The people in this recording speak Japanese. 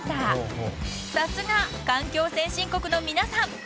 ［さすが環境先進国の皆さん。